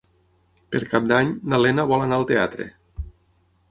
Per Cap d'Any na Lena vol anar al teatre.